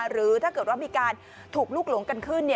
หรือถ้าเกิดว่ามีการถูกลุกหลงกันขึ้น